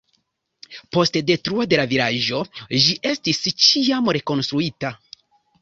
Post detruo de la vilaĝo, ĝi estis ĉiam rekonstruita.